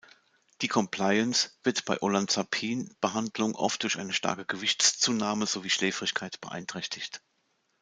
Die Compliance wird bei Olanzapin-Behandlung oft durch eine starke Gewichtszunahme sowie Schläfrigkeit beeinträchtigt.